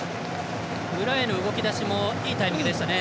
裏への動きだしもいいタイミングでしたね。